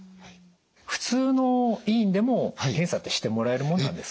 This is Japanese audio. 普通の医院でも検査ってしてもらえるもんなんですか？